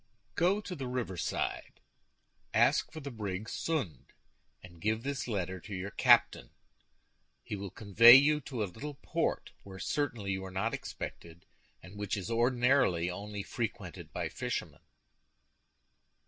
"Go to the riverside, ask for the brig Sund, and give this letter to the captain; he will convey you to a little port, where certainly you are not expected, and which is ordinarily only frequented by fishermen."